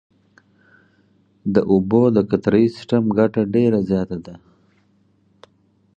د اوبو د قطرهیي سیستم ګټه ډېره زیاته ده.